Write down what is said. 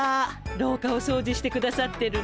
廊下をそうじしてくださってるの？